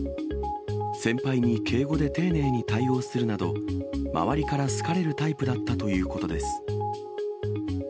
先輩に敬語で丁寧に対応するなど、周りから好かれるタイプだったということです。